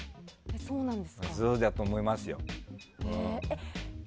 そうだと思いますよ。